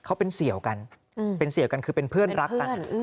เขาเป็นเสี่ยวกันเป็นเสี่ยวกันคือเป็นเพื่อนรักกัน